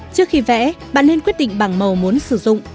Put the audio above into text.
trước khi vẽ bạn nên quyết định bảng màu muốn sử dụng